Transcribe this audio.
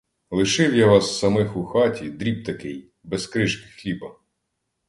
Лишив я вас самих у хаті, дріб такий, без кришки хліба!